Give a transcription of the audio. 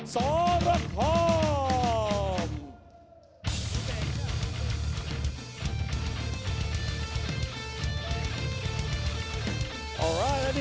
รักรักรัก